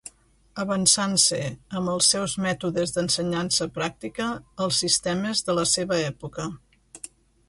Avançant-se, amb els seus mètodes d'ensenyança pràctica, als sistemes de la seva època.